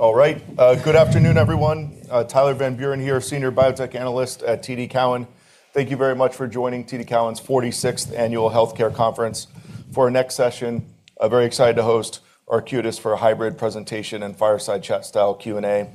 All right. good afternoon, everyone. Tyler Van Buren here, Senior Biotech Analyst at TD Cowen. Thank you very much for joining TD Cowen's 46th Annual Healthcare Conference. For our next session, I'm very excited to host Arcutis for a hybrid presentation and fireside chat style Q&A.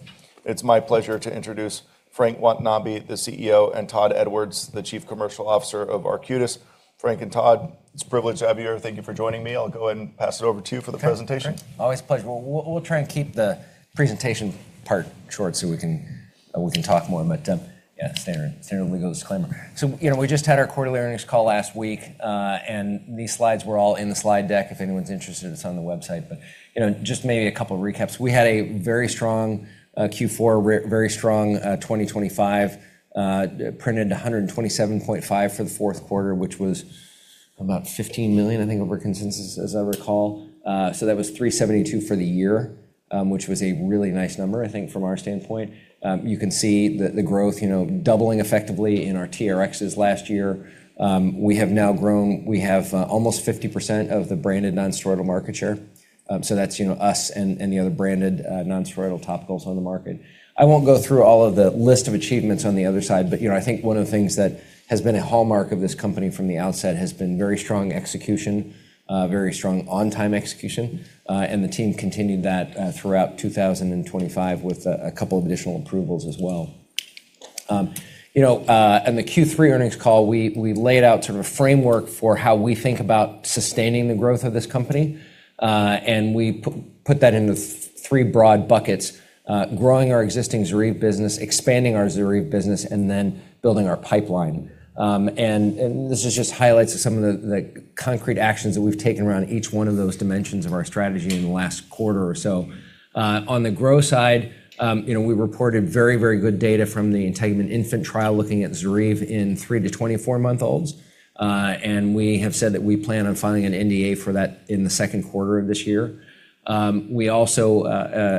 It's my pleasure to introduce Frank Watanabe, the CEO, and Todd Edwards, the Chief Commercial Officer of Arcutis. Frank and Todd, it's a privilege to have you here. Thank you for joining me. I'll go ahead and pass it over to you for the presentation. Always a pleasure. We'll try and keep the presentation part short, so we can talk more. Yeah, standard legal disclaimer. You know, we just had our quarterly earnings call last week, and these slides were all in the slide deck. If anyone's interested, it's on the website. You know, just maybe a couple recaps. We had a very strong Q4, very strong 2025. Printed 127.5 for the fourth quarter, which was about $15 million, I think, over consensus, as I recall. That was $372 for the year, which was a really nice number, I think, from our standpoint. You can see the growth, you know, doubling effectively in our TRXs last year. We have almost 50% of the branded nonsteroidal market share. That's, you know, us and the other branded nonsteroidal topicals on the market. I won't go through all of the list of achievements on the other side, but, you know, I think one of the things that has been a hallmark of this company from the outset has been very strong execution, very strong on-time execution, and the team continued that throughout 2025 with a couple of additional approvals as well. You know, on the Q3 earnings call, we laid out sort of a framework for how we think about sustaining the growth of this company, and we put that into three broad buckets: growing our existing ZORYVE business, expanding our ZORYVE business, and building our pipeline. This is just highlights of some of the concrete actions that we've taken around each one of those dimensions of our strategy in the last quarter or so. On the growth side, you know, we reported very good data from the INTEGUMENT infant trial looking at ZORYVE in 3-24 month olds. We have said that we plan on filing an NDA for that in the second quarter of this year. We also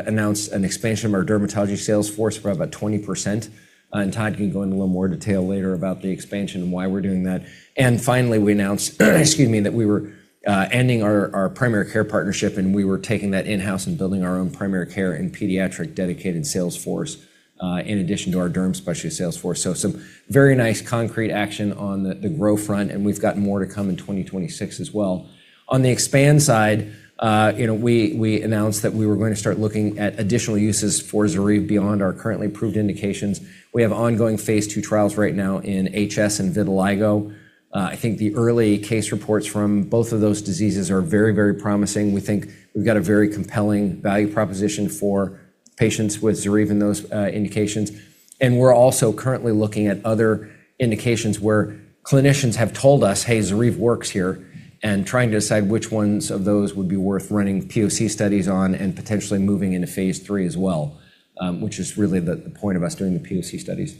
announced an expansion of our dermatology sales force for about 20%. Todd can go into a little more detail later about the expansion and why we're doing that. Finally, we announced, excuse me, that we were ending our primary care partnership, and we were taking that in-house and building our own primary care and pediatric dedicated sales force, in addition to our derm specialty sales force. Some very nice concrete action on the grow front, and we've got more to come in 2026 as well. On the expand side, you know, we announced that we were going to start looking at additional uses for ZORYVE beyond our currently approved indications. We have ongoing Phase II trials right now in HS and vitiligo. I think the early case reports from both of those diseases are very, very promising. We think we've got a very compelling value proposition for patients with ZORYVE in those indications. We're also currently looking at other indications where clinicians have told us, "Hey, ZORYVE works here," and trying to decide which ones of those would be worth running POC studies on and potentially moving into phase III as well, which is really the point of us doing the POC studies.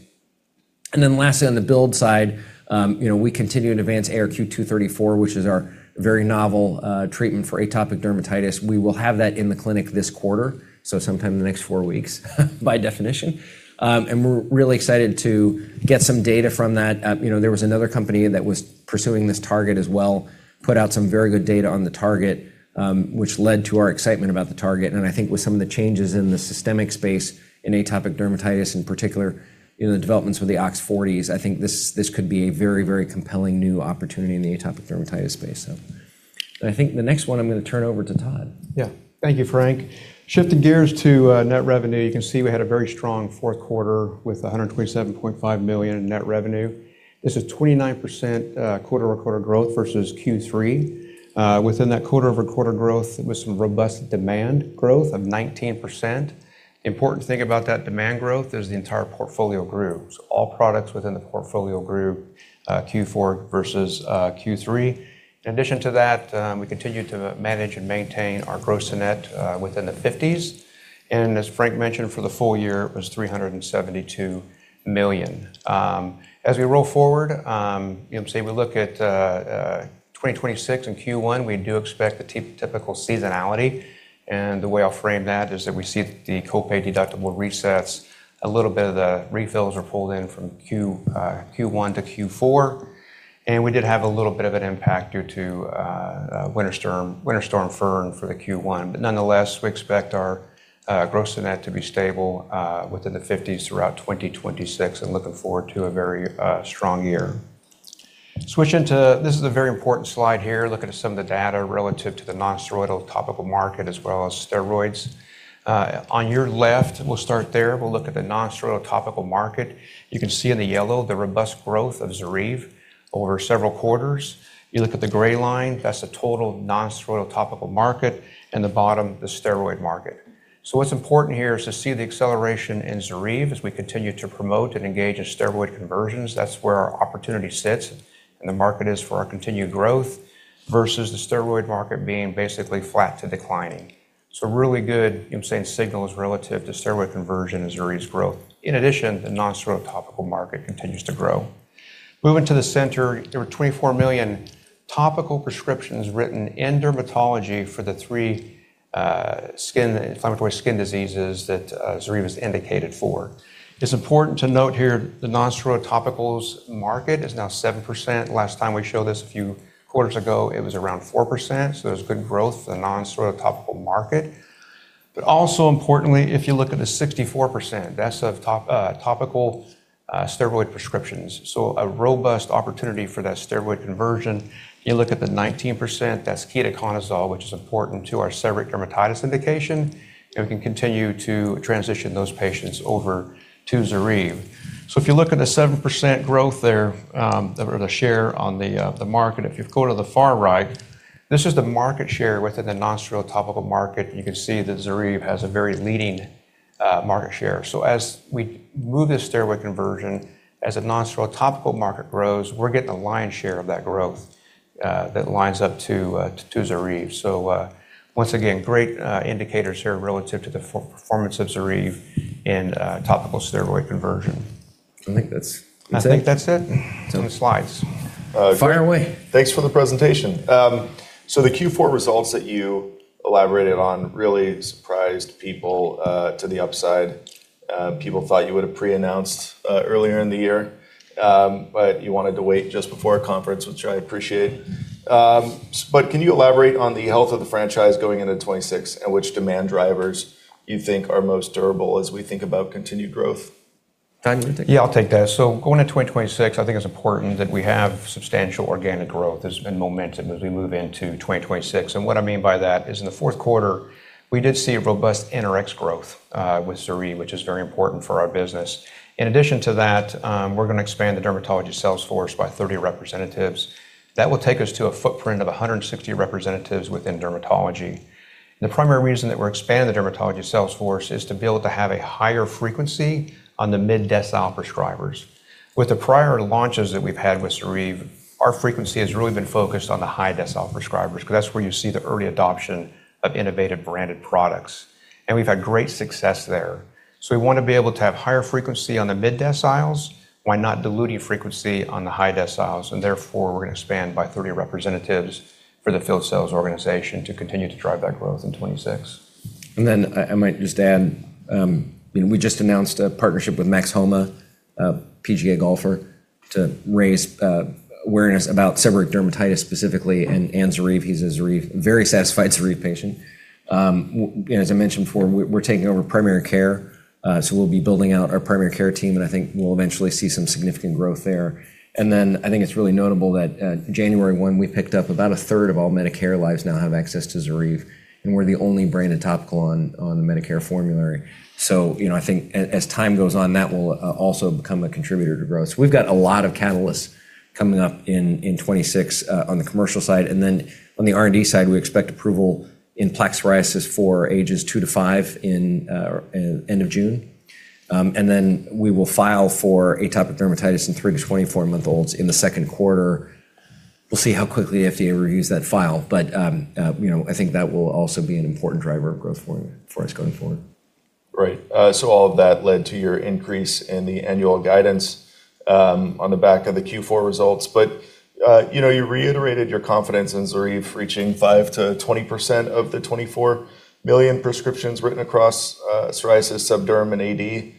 Lastly, on the build side, you know, we continue to advance ARQ-234, which is our very novel treatment for atopic dermatitis. We will have that in the clinic this quarter, so sometime in the next four weeks by definition. We're really excited to get some data from that. You know, there was another company that was pursuing this target as well, put out some very good data on the target, which led to our excitement about the target. I think with some of the changes in the systemic space in atopic dermatitis, in particular, you know, the developments with the OX40s, I think this could be a very, very compelling new opportunity in the atopic dermatitis space. I think the next one I'm gonna turn over to Todd. Thank you, Frank. Shifting gears to net revenue, you can see we had a very strong fourth quarter with $127.5 million in net revenue. This is 29% quarter-over-quarter growth versus Q3. Within that quarter-over-quarter growth was some robust demand growth of 19%. The important thing about that demand growth is the entire portfolio grew. All products within the portfolio grew Q4 versus Q3. In addition to that, we continued to manage and maintain our gross to net within the 50s. As Frank mentioned, for the full year, it was $372 million. As we roll forward, you know, say, we look at 2026 in Q1, we do expect the typical seasonality. The way I'll frame that is that we see the copay deductible resets. A little bit of the refills are pulled in from Q, Q1 to Q4. We did have a little bit of an impact due to Winter Storm Finn for the Q1. Nonetheless, we expect our gross to net to be stable within the fifties throughout 2026 and looking forward to a very strong year. This is a very important slide here, looking at some of the data relative to the nonsteroidal topical market as well as steroids. On your left, we'll start there. We'll look at the nonsteroidal topical market. You can see in the yellow the robust growth of ZORYVE over several quarters. You look at the gray line, that's the total nonsteroidal topical market, and the bottom, the steroid market. What's important here is to see the acceleration in ZORYVE as we continue to promote and engage in steroid conversions. That's where our opportunity sits, and the market is for our continued growth versus the steroid market being basically flat to declining. Really good, I'm saying, signals relative to steroid conversion and ZORYVE's growth. In addition, the nonsteroidal topical market continues to grow. Moving to the center, there were 24 million topical prescriptions written in dermatology for the three inflammatory skin diseases that ZORYVE is indicated for. It's important to note here the nonsteroidal topical market is now 7%. Last time we showed this a few quarters ago, it was around 4%, so there's good growth in the nonsteroidal topical market. But also importantly, if you look at the 64%, that's of topical steroid prescriptions. A robust opportunity for that steroid conversion. You look at the 19%, that's ketoconazole, which is important to our seborrheic dermatitis indication, and we can continue to transition those patients over to ZORYVE. If you look at the 7% growth there, or the share on the market, if you go to the far right, this is the market share within the nonsteroidal topical market. You can see that ZORYVE has a very leading market share. As we move this steroid conversion, as the nonsteroidal topical market grows, we're getting the lion's share of that growth, that lines up to ZORYVE. Once again, great indicators here relative to the per-performance of ZORYVE in topical steroid conversion. I think that's it. I think that's it. Those are the slides. Uh, go. Fire away Thanks for the presentation. The Q4 results that you elaborated on really surprised people to the upside. People thought you would have pre-announced earlier in the year. You wanted to wait just before a conference, which I appreciate. Can you elaborate on the health of the franchise going into 2026 and which demand drivers you think are most durable as we think about continued growth? Todd, you wanna take that? Yeah, I'll take that. Going into 2026, I think it's important that we have substantial organic growth and momentum as we move into 2026. What I mean by that is in the fourth quarter, we did see a robust NRx growth with ZORYVE, which is very important for our business. In addition to that, we're gonna expand the dermatology sales force by 30 representatives. That will take us to a footprint of 160 representatives within dermatology. The primary reason that we're expanding the dermatology sales force is to be able to have a higher frequency on the mid-decile prescribers. With the prior launches that we've had with ZORYVE, our frequency has really been focused on the high-decile prescribers 'cause that's where you see the early adoption of innovative branded products, and we've had great success there. We wanna be able to have higher frequency on the mid-deciles while not diluting frequency on the high-deciles, therefore, we're gonna expand by 30 representatives for the field sales organization to continue to drive that growth in 2026. I might just add, you know, we just announced a partnership with Max Homa, a PGA golfer, to raise awareness about seborrheic dermatitis specifically and ZORYVE. He's a very satisfied ZORYVE patient. As I mentioned before, we're taking over primary care, so we'll be building out our primary care team, and I think we'll eventually see some significant growth there. I think it's really notable that January 1, we picked up about a third of all Medicare lives now have access to ZORYVE, and we're the only branded topical on the Medicare formulary. You know, I think as time goes on, that will also become a contributor to growth. We've got a lot of catalysts coming up in 2026 on the commercial side. On the R&D side, we expect approval in plaque psoriasis for ages 2-5 in end of June. We will file for atopic dermatitis in 3-24-month-olds in the second quarter. We'll see how quickly FDA reviews that file. You know, I think that will also be an important driver of growth for us going forward. Right. All of that led to your increase in the annual guidance on the back of the Q4 results. You know, you reiterated your confidence in ZORYVE reaching 5%-20% of the 24 million prescriptions written across psoriasis, subderm, and AD.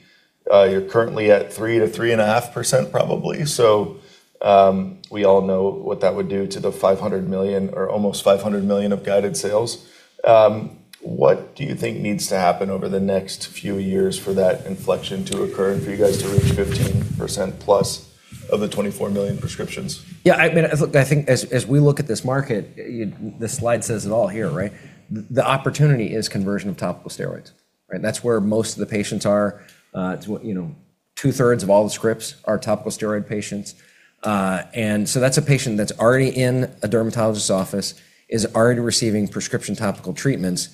You're currently at 3%-3.5% probably. We all know what that would do to the $500 million or almost $500 million of guided sales. What do you think needs to happen over the next few years for that inflection to occur and for you guys to reach 15% plus of the 24 million prescriptions? Yeah, I mean, look, I think as we look at this market, this slide says it all here, right? The opportunity is conversion of topical steroids, right? That's where most of the patients are. It's what, you know, two-thirds of all the scripts are topical steroid patients. That's a patient that's already in a dermatologist's office, is already receiving prescription topical treatments,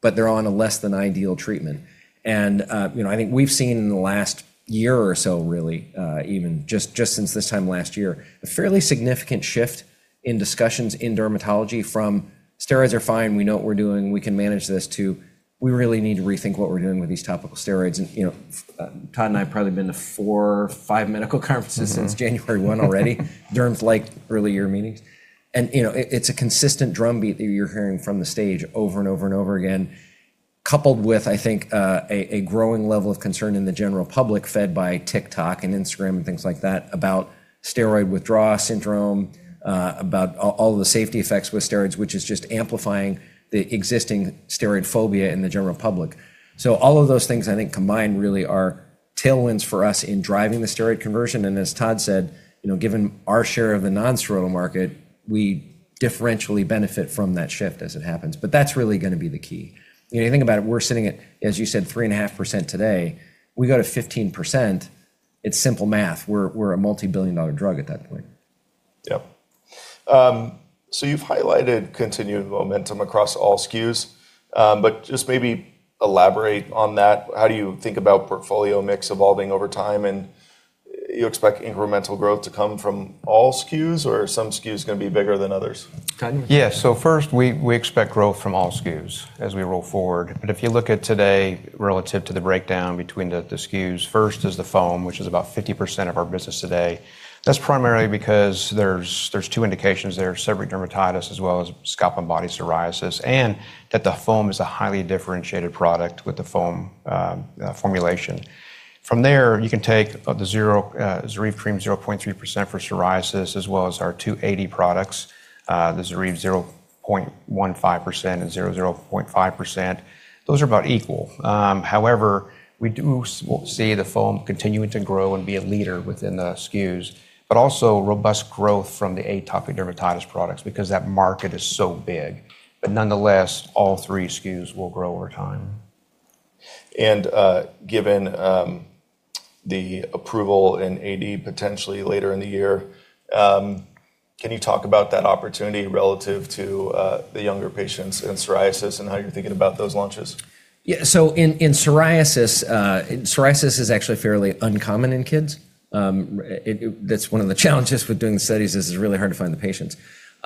but they're on a less than ideal treatment. You know, I think we've seen in the last year or so really, even just since this time last year, a fairly significant shift in discussions in dermatology from, "Steroids are fine. We know what we're doing. We can manage this," to, "We really need to rethink what we're doing with these topical steroids." You know, Todd and I have probably been to four, five medical conferences since 1st January already. Derm's liked early year meetings. You know, it's a consistent drumbeat that you're hearing from the stage over and over and over again, coupled with, I think, a growing level of concern in the general public fed by TikTok and Instagram and things like that about Topical Steroid Withdrawal Syndrome, about all the safety effects with steroids, which is just amplifying the existing steroid phobia in the general public. All of those things, I think, combined really are tailwinds for us in driving the steroid conversion. As Todd said, you know, given our share of the nonsteroidal market, we differentially benefit from that shift as it happens. That's really gonna be the key. You know, you think about it, we're sitting at, as you said, 3.5% today. We go to 15%, it's simple math. We're a multi-billion dollar drug at that point. You've highlighted continued momentum across all SKUs, just maybe elaborate on that. How do you think about portfolio mix evolving over time? You expect incremental growth to come from all SKUs or are some SKUs gonna be bigger than others? Todd, you wanna take that? First, we expect growth from all SKUs as we roll forward. If you look at today relative to the breakdown between the SKUs, first is the foam, which is about 50% of our business today. That's primarily because there's two indications there, seborrheic dermatitis as well as scalp and body psoriasis, and that the foam is a highly differentiated product with the foam formulation. From there, you can take, the zero, ZORYVE cream 0.3% for psoriasis, as well as our two AD products, the ZORYVE 0.15% and 0.5%. Those are about equal. However, we do see the foam continuing to grow and be a leader within the SKUs, but also robust growth from the atopic dermatitis products because that market is so big. Nonetheless, all three SKUs will grow over time. Given the approval in AD potentially later in the year, can you talk about that opportunity relative to the younger patients in psoriasis and how you're thinking about those launches? In psoriasis is actually fairly uncommon in kids. That's one of the challenges with doing the studies, is it's really hard to find the patients.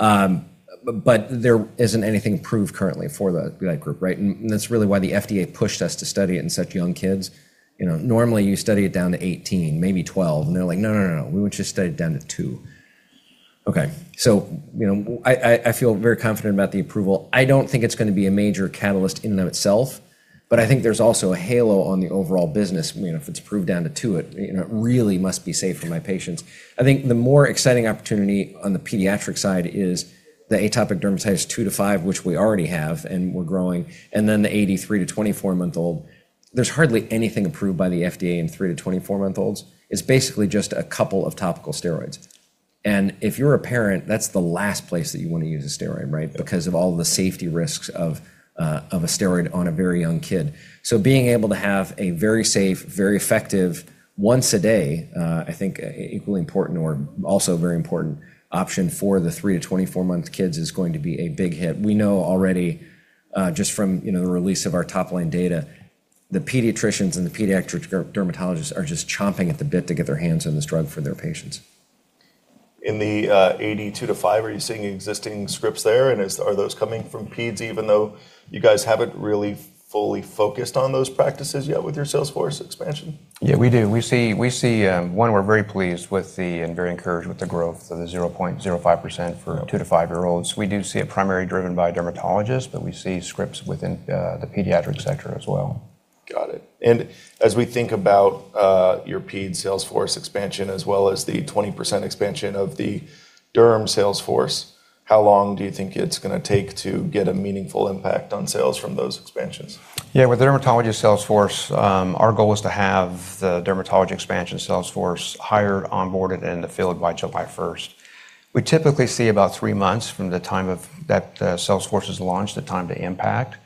But there isn't anything approved currently for the, that group, right? That's really why the FDA pushed us to study it in such young kids. You know, normally you study it down to 18, maybe 12, and they're like, "No, no, we want you to study it down to two." You know, I feel very confident about the approval. I don't think it's gonna be a major catalyst in and of itself, but I think there's also a halo on the overall business. You know, if it's approved down to two, it, you know, it really must be safe for my patients. I think the more exciting opportunity on the pediatric side is the atopic dermatitis 2-5, which we already have, and we're growing, and then the AD 3-24-month-old. There's hardly anything approved by the FDA in 3-24-month-olds. It's basically just a couple of topical steroids. If you're a parent, that's the last place that you wanna use a steroid, right? Yeah because of all the safety risks of a steroid on a very young kid. Being able to have a very safe, very effective once-a-day, I think equally important or also very important option for the 3 to 24-month kids is going to be a big hit. We know already, just from, you know, the release of our top-line data, the pediatricians and the pediatric dermatologists are just chomping at the bit to get their hands on this drug for their patients. In the AD 2-5, are you seeing existing scripts there? Are those coming from pedes, even though you guys haven't really fully focused on those practices yet with your sales force expansion? Yeah, we do. We see, One, we're very pleased with the, and very encouraged with the growth of the 0.05% for 2-5year-olds. We do see it primarily driven by dermatologists, but we see scripts within the pediatric sector as well. Got it. As we think about your pede sales force expansion as well as the 20% expansion of the derm sales force, how long do you think it's gonna take to get a meaningful impact on sales from those expansions? Yeah. With dermatology sales force, our goal is to have the dermatology expansion sales force hired, onboarded, and in the field by 1st July. We typically see about three months from the time that sales force is launched to time to impact.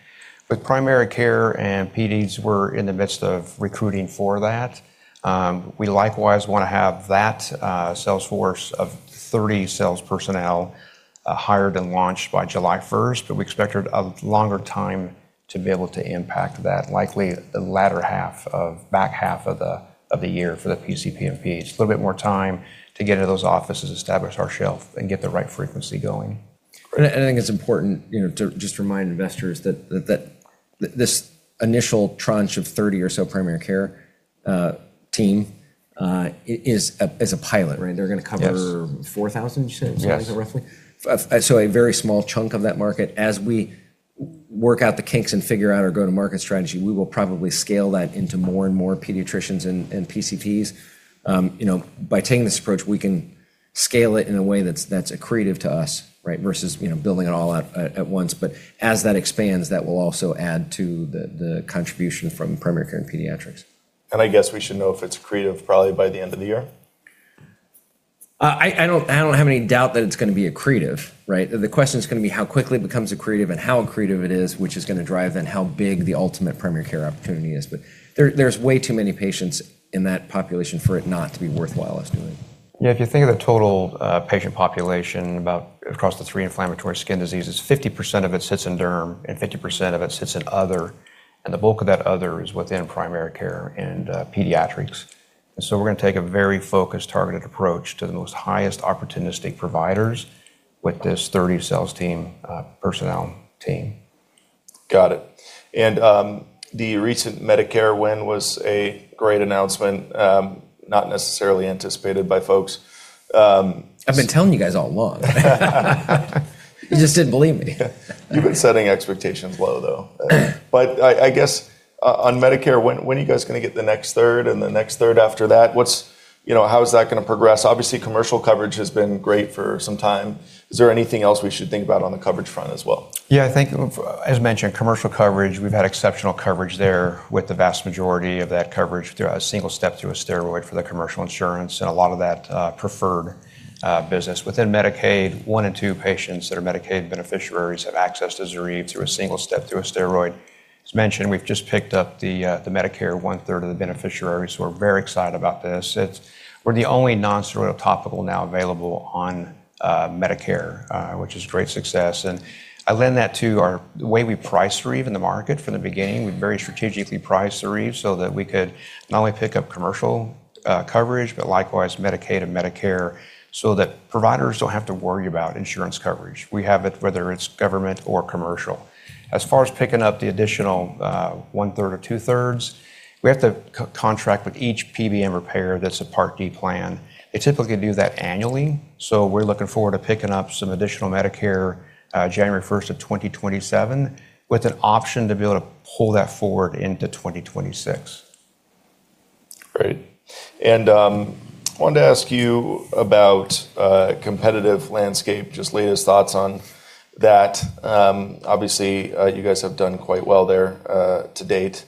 With primary care and pedes, we're in the midst of recruiting for that. We likewise wanna have that sales force of 30 sales personnel hired and launched by 1st July, but we expect a longer time to be able to impact that, likely the back half of the year for the PCP and pedes. A little bit more time to get into those offices, establish our shelf, and get the right frequency going. I think it's important, you know, to just remind investors that this initial tranche of 30 or so primary care team is a pilot, right. They're gonna cover-. Yes. 4,000, you said roughly? Yes. A very small chunk of that market. As we work out the kinks and figure out our go-to-market strategy, we will probably scale that into more and more pediatricians and PCPs. You know, by taking this approach, we can scale it in a way that's accretive to us, right, versus, you know, building it all out at once. As that expands, that will also add to the contribution from primary care and pediatrics. I guess we should know if it's accretive probably by the end of the year? I don't have any doubt that it's gonna be accretive, right? The question is gonna be how quickly it becomes accretive and how accretive it is, which is gonna drive then how big the ultimate primary care opportunity is. There's way too many patients in that population for it not to be worthwhile us doing. Yeah. If you think of the total, patient population about across the three inflammatory skin diseases, 50% of it sits in derm, and 50% of it sits in other, and the bulk of that other is within primary care and pediatrics. We're gonna take a very focused, targeted approach to the most highest opportunistic providers with this 30 sales team, personnel team. Got it. The recent Medicare win was a great announcement, not necessarily anticipated by folks. I've been telling you guys all along. You just didn't believe me. You've been setting expectations low, though. I guess on Medicare, when are you guys going to get the next third and the next third after that? You know, how is that going to progress? Obviously, commercial coverage has been great for some time. Is there anything else we should think about on the coverage front as well? As mentioned, commercial coverage, we've had exceptional coverage there with the vast majority of that coverage through a single step through a steroid for the commercial insurance and a lot of that preferred business. Within Medicaid, 1 in 2 patients that are Medicaid beneficiaries have access to ZORYVE through a single step through a steroid. As mentioned, we've just picked up the Medicare one-third of the beneficiaries, so we're very excited about this. We're the only nonsteroidal topical now available on Medicare, which is great success. I lend that to the way we priced ZORYVE in the market from the beginning. We very strategically priced ZORYVE so that we could not only pick up commercial coverage, but likewise Medicaid and Medicare, so that providers don't have to worry about insurance coverage. We have it whether it's government or commercial. As far as picking up the additional, one-third or two-thirds, we have to co-contract with each PBM payer that's a Part D plan. They typically do that annually. We're looking forward to picking up some additional Medicare, 1st January of 2027, with an option to be able to pull that forward into 2026. Great. I wanted to ask you about competitive landscape, just latest thoughts on that. Obviously, you guys have done quite well there to date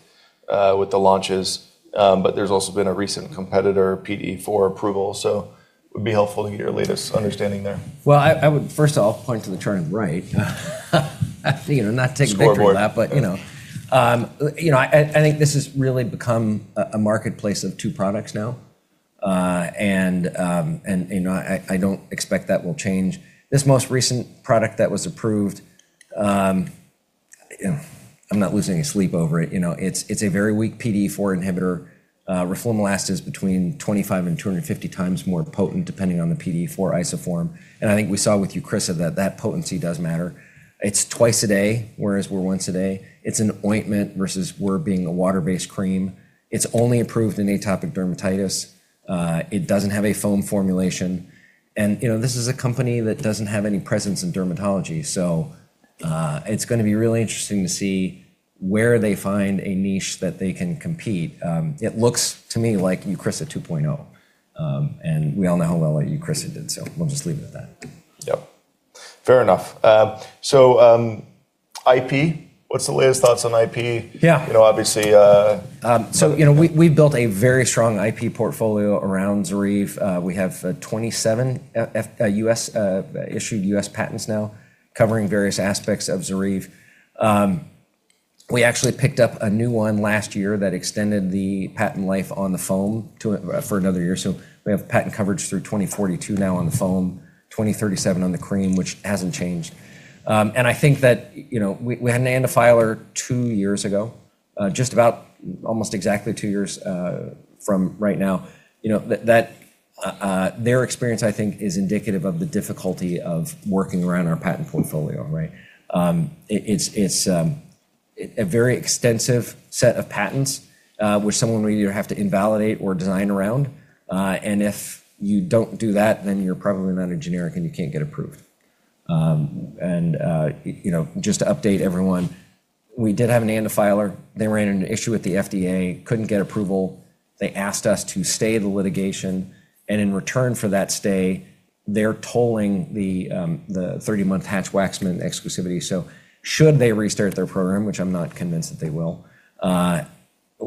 with the launches. There's also been a recent competitor PDE4 approval. It would be helpful to get your latest understanding there. Well, I would first of all point to the turn right. You know, not take victory lap- Scoreboard You know, I think this has really become a marketplace of two products now. And, you know, I don't expect that will change. This most recent product that was approved, you know, I'm not losing any sleep over it. You know, it's a very weak PDE4 inhibitor. Roflumilast is between 25 and 250 times more potent depending on the PDE4 isoform. I think we saw with Eucrisa that that potency does matter. It's twice a day, whereas we're once a day. It's an ointment versus we're being a water-based cream. It's only approved in atopic dermatitis. It doesn't have a foam formulation. You know, this is a company that doesn't have any presence in dermatology. It's gonna be really interesting to see where they find a niche that they can compete. It looks to me like Eucrisa 2.0, and we all know how well Eucrisa did, so we'll just leave it at that. Yep. Fair enough. IP, what's the latest thoughts on IP? Yeah. You know, obviously. You know, we built a very strong IP portfolio around ZORYVE. We have 27 U.S. issued U.S. patents now covering various aspects of ZORYVE. We actually picked up a new one last year that extended the patent life on the foam for another year. We have patent coverage through 2042 now on the foam, 2037 on the cream, which hasn't changed. I think that, you know, we had an ANDA filer two years ago, just about almost exactly two years from right now. You know, that, Their experience, I think, is indicative of the difficulty of working around our patent portfolio, right? It, it's a very extensive set of patents, which someone will either have to invalidate or design around. If you don't do that, then you're probably not a generic, and you can't get approved. You know, just to update everyone, we did have an ANDA filer. They ran into issue with the FDA, couldn't get approval. They asked us to stay the litigation, and in return for that stay, they're tolling the 30 month Hatch-Waxman exclusivity. Should they restart their program, which I'm not convinced that they will,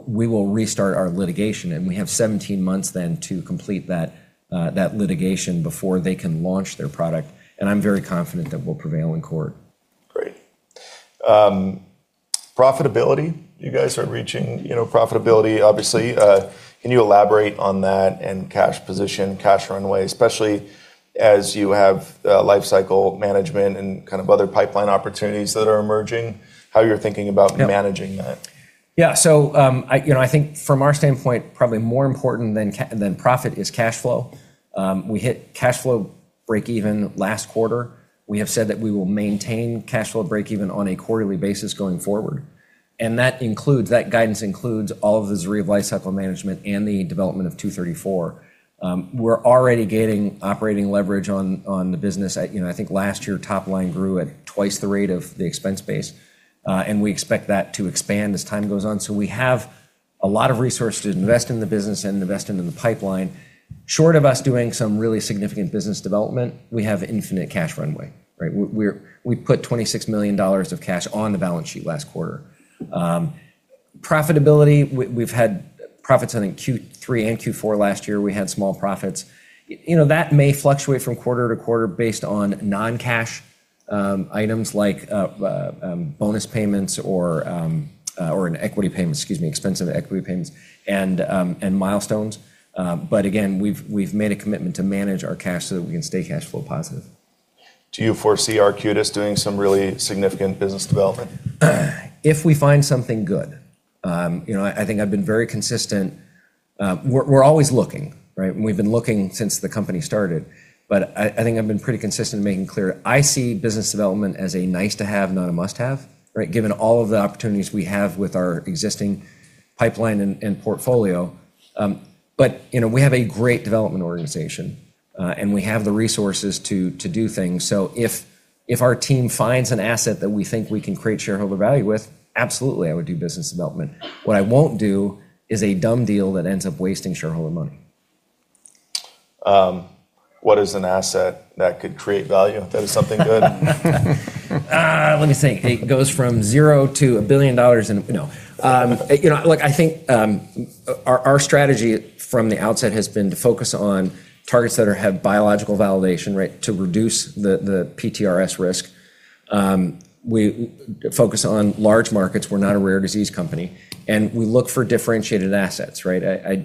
we will restart our litigation, and we have 17 months then to complete that litigation before they can launch their product, and I'm very confident that we'll prevail in court. Great. profitability. You guys are reaching, you know, profitability, obviously. Can you elaborate on that and cash position, cash runway, especially as you have, lifecycle management and kind of other pipeline opportunities that are emerging, how you're thinking about managing that? I, you know, I think from our standpoint, probably more important than profit is cash flow. We hit cash flow breakeven last quarter. We have said that we will maintain cash flow breakeven on a quarterly basis going forward, and that includes, that guidance includes all of the ZORYVE lifecycle management and the development of 234. We're already gaining operating leverage on the business. I, you know, I think last year top line grew at twice the rate of the expense base, and we expect that to expand as time goes on. We have a lot of resource to invest in the business and invest into the pipeline. Short of us doing some really significant business development, we have infinite cash runway, right? We put $26 million of cash on the balance sheet last quarter. Profitability, we've had profits I think Q3 and Q4 last year, we had small profits. You know, that may fluctuate from quarter to quarter based on non-cash items like bonus payments or an equity payment, excuse me, expensive equity payments and milestones. Again, we've made a commitment to manage our cash so that we can stay cash flow positive. Do you foresee Arcutis doing some really significant business development? If we find something good. You know, I think I've been very consistent. We're always looking, right? We've been looking since the company started. I think I've been pretty consistent in making clear I see business development as a nice to have, not a must-have, right? Given all of the opportunities we have with our existing pipeline and portfolio. You know, we have a great development organization, and we have the resources to do things. If our team finds an asset that we think we can create shareholder value with, absolutely, I would do business development. What I won't do is a dumb deal that ends up wasting shareholder money. What is an asset that could create value if that is something good? Let me think. It goes from zero to $1 billion in No. You know, look, I think, our strategy from the outset has been to focus on targets that have biological validation, right, to reduce the PTRS risk. We focus on large markets. We're not a rare disease company, and we look for differentiated assets, right?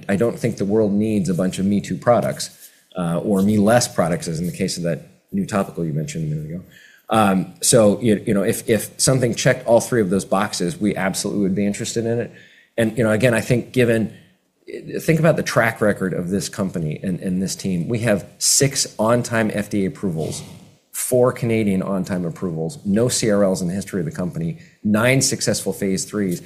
I don't think the world needs a bunch of me-too products, or me-less products, as in the case of that new topical you mentioned a minute ago. So, you know, if something checked all three of those boxes, we absolutely would be interested in it. You know, again, I think given... Think about the track record of this company and this team. We have six on-time FDA approvals, four Canadian on-time approvals, no CRLs in the history of the company, nine successful phase IIIs.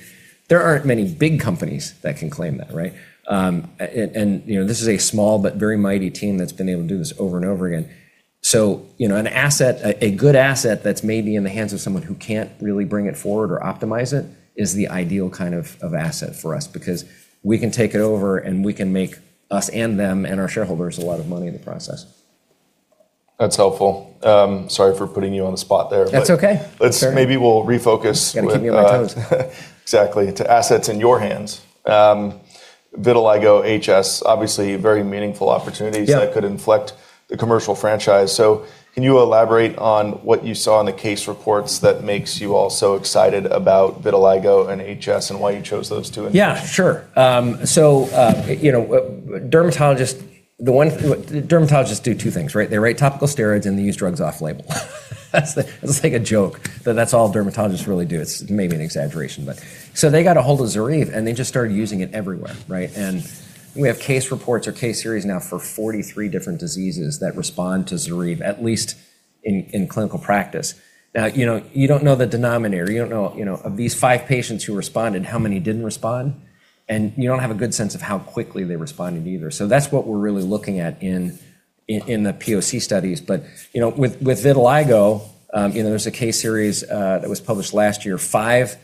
There aren't many big companies that can claim that, right? And, you know, this is a small but very mighty team that's been able to do this over and over again. You know, an asset, a good asset that's maybe in the hands of someone who can't really bring it forward or optimize it is the ideal kind of asset for us because we can take it over, and we can make us and them and our shareholders a lot of money in the process. That's helpful. Sorry for putting you on the spot there. That's okay. Maybe we'll refocus with. Keep me on my toes. Exactly. To assets in your hands. vitiligo, HS, obviously very meaningful opportunities. Yeah. that could inflect the commercial franchise. Can you elaborate on what you saw in the case reports that makes you all so excited about vitiligo and HS and why you chose those two in particular? Yeah, sure. Dermatologists do two things, right? They write topical steroids, and they use drugs off-label. That's like a joke, that that's all dermatologists really do. It's maybe an exaggeration, but. They got a hold of ZORYVE, and they just started using it everywhere, right? We have case reports or case series now for 43 different diseases that respond to ZORYVE, at least in clinical practice. Now, you know, you don't know the denominator. You don't know, you know, of these five patients who responded, how many didn't respond, and you don't have a good sense of how quickly they responded either. That's what we're really looking at in the POC studies. You know, with vitiligo, you know, there's a case series that was published last year, five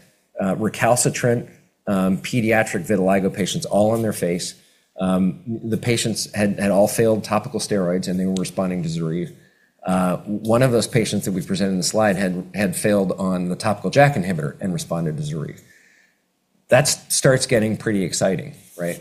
recalcitrant pediatric vitiligo patients all on their face. The patients had all failed topical steroids, and they were responding to ZORYVE. One of those patients that we presented in the slide had failed on the topical JAK inhibitor and responded to ZORYVE. That starts getting pretty exciting, right?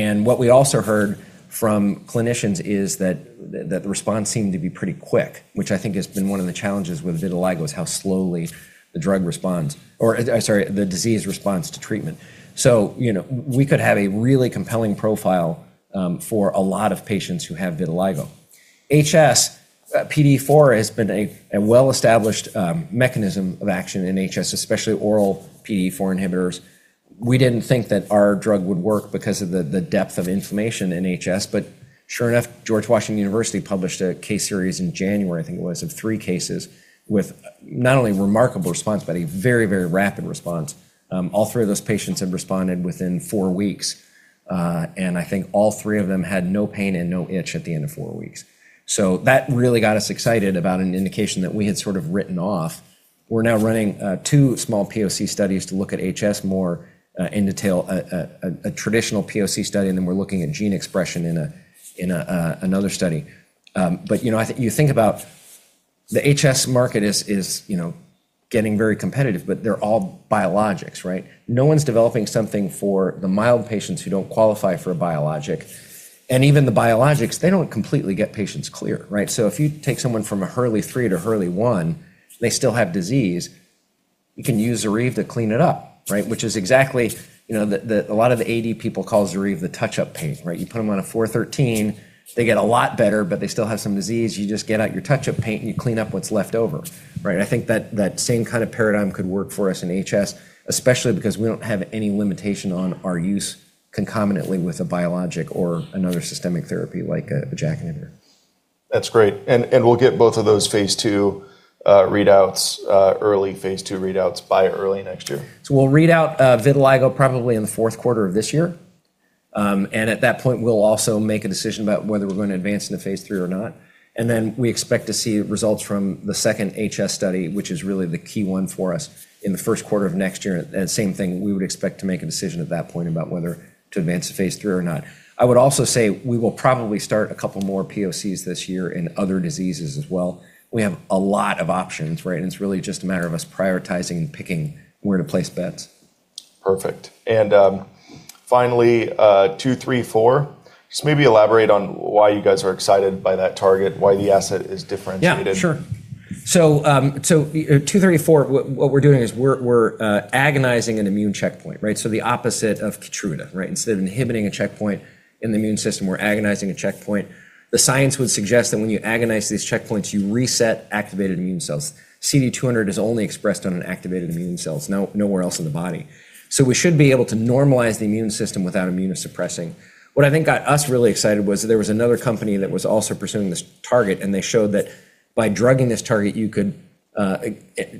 What we also heard from clinicians is that the response seemed to be pretty quick, which I think has been one of the challenges with vitiligo, is how slowly the drug responds or, sorry, the disease responds to treatment. You know, we could have a really compelling profile for a lot of patients who have vitiligo. HS, PDE4 has been a well-established mechanism of action in HS, especially oral PDE4 inhibitors. We didn't think that our drug would work because of the depth of inflammation in HS, but sure enough, George Washington University published a case series in January, I think it was, of three cases with not only remarkable response, but a very, very rapid response. All three of those patients had responded within 4 weeks. And I think all three of them had no pain and no itch at the end of four weeks. That really got us excited about an indication that we had sort of written off. We're now running two small POC studies to look at HS more in detail, a traditional POC study, and then we're looking at gene expression in another study. You know, you think about the HS market, you know, getting very competitive, but they're all biologics, right? No one's developing something for the mild patients who don't qualify for a biologic. Even the biologics, they don't completely get patients clear, right? If you take someone from a Hurley stage III to Hurley stage I, they still have disease. You can use ZORYVE to clean it up, right? Which is exactly, you know, a lot of the AD people call ZORYVE the touch-up paint, right? You put them on a IL-4/IL-13, they get a lot better, but they still have some disease. You just get out your touch-up paint, and you clean up what's left over, right? I think that same kind of paradigm could work for us in HS, especially because we don't have any limitation on our use concomitantly with a biologic or another systemic therapy like a JAK inhibitor. That's great. We'll get both of those phase II readouts, early phase II readouts by early next year? We'll read out vitiligo probably in the fourth quarter of this year. At that point, we'll also make a decision about whether we're gonna advance into phase three or not. We expect to see results from the second HS study, which is really the key one for us in the first quarter of next year. Same thing, we would expect to make a decision at that point about whether to advance to phase three or not. I would also say we will probably start a couple more POCs this year in other diseases as well. We have a lot of options, right? It's really just a matter of us prioritizing and picking where to place bets. Perfect. Finally, ARQ-234. Just maybe elaborate on why you guys are excited by that target, why the asset is differentiated. Yeah, sure. ARQ-234, what we're doing is we're agonizing an immune checkpoint, right? The opposite of KEYTRUDA, right? Instead of inhibiting a checkpoint in the immune system, we're agonizing a checkpoint. The science would suggest that when you agonize these checkpoints, you reset activated immune cells. CD200 is only expressed on an activated immune cells, nowhere else in the body. We should be able to normalize the immune system without immunosuppressing. What I think got us really excited was there was another company that was also pursuing this target, and they showed that by drugging this target, you could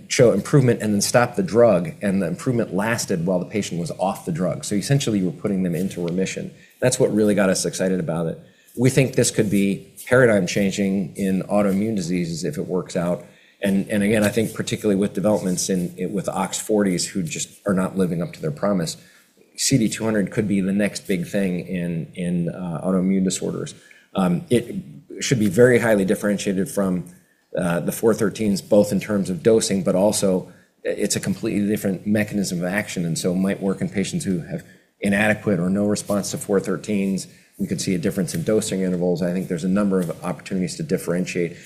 show improvement and then stop the drug, and the improvement lasted while the patient was off the drug. Essentially, you were putting them into remission. That's what really got us excited about it. We think this could be paradigm-changing in autoimmune diseases if it works out. Again, I think particularly with developments with OX40 who just are not living up to their promise, CD200 could be the next big thing in autoimmune disorders. It should be very highly differentiated from the four-thirteens, both in terms of dosing, but also it's a completely different mechanism of action, and so it might work in patients who have inadequate or no response to four-thirteens. We could see a difference in dosing intervals. I think there's a number of opportunities to differentiate.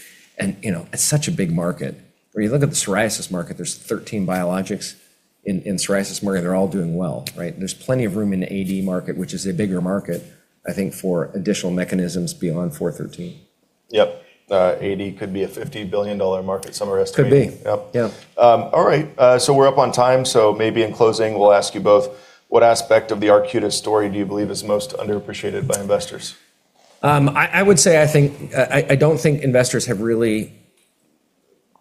You know, it's such a big market. When you look at the psoriasis market, there's 13 biologics in psoriasis market. They're all doing well, right? There's plenty of room in the AD market, which is a bigger market, I think, for additional mechanisms beyond four-thirteen. Yep. AD could be a $50 billion market, some are estimating. Could be. Yep. Yeah. All right. We're up on time, so maybe in closing, we'll ask you both what aspect of the Arcutis story do you believe is most underappreciated by investors? I would say, I don't think investors have really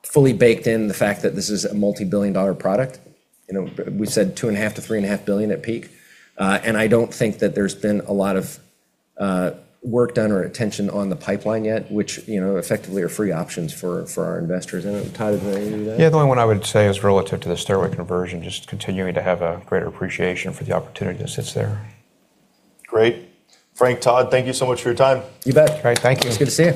fully baked in the fact that this is a multi-billion dollar product. You know, we said $2.5 billion-$3.5 billion at peak. I don't think that there's been a lot of work done or attention on the pipeline yet, which, you know, effectively are free options for our investors. I don't know, Todd, is there anything you'd add? Yeah, the only one I would say is relative to the steroid conversion, just continuing to have a greater appreciation for the opportunity that sits there. Great. Frank, Todd, thank you so much for your time. You bet. Great. Thank you. It's good to see you.